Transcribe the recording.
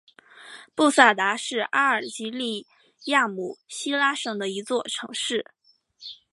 布萨达是阿尔及利亚姆西拉省的一座城市。